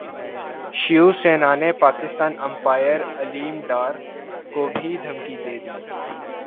شیو سینا نے پاکستان امپائر علیم ڈار کو بھی دھمکی دے دی